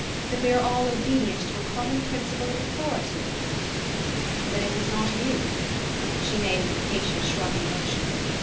That we are all obedient to a common principle of authority?" "Then it was not you ?" She made an impatient shrugging motion.